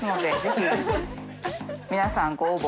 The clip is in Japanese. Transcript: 爾皆さんご応募